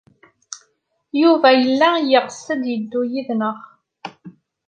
Yuba yella yeɣs ad yeddu yid-nteɣ.